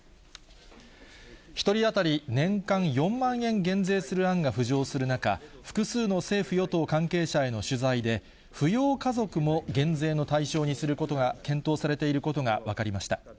１人当たり年間４万円減税する案が浮上する中、複数の政府・与党関係者への取材で、扶養家族も減税の対象にすることが検討されていることが分かりました。